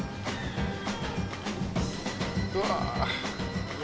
うわ。